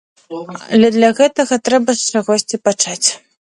Але для гэтага трэба з чагосьці пачаць!